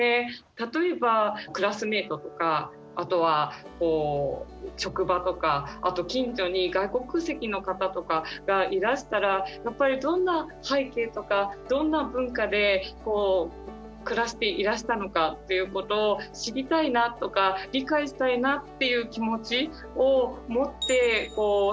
例えばクラスメートとかあとはこう職場とかあと近所に外国籍の方とかがいらしたらやっぱりどんな背景とかどんな文化で暮らしていらしたのかっていうことを知りたいなとか理解したいなっていう気持ちを持って少しずつ分かっていくということが